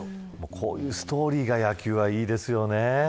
こういうストーリーが野球はいいですよね。